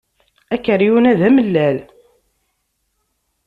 Akeryun-a d amellal.